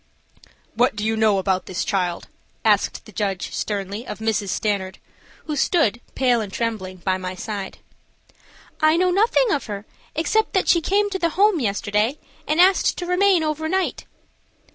"What do you know about this child?" asked the judge, sternly, of Mrs. Stanard, who stood, pale and trembling, by my side. "I know nothing of her except that she came to the home yesterday and asked to remain overnight."